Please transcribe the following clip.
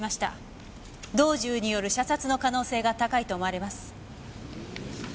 同銃による射殺の可能性が高いと思われます。